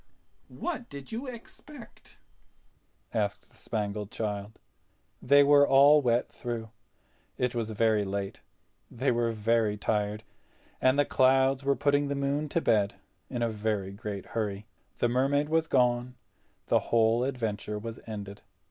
"What did you expect?" asked the Spangled Child. They were all wet through. It was very late—they were very tired, and the clouds were putting the moon to bed in a very great hurry. The Mermaid was gone; the whole adventure was ended.